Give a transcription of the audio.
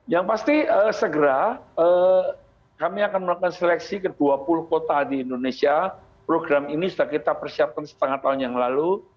yang pasti segera kami akan melakukan seleksi ke dua puluh kota di indonesia program ini sudah kita persiapkan setengah tahun yang lalu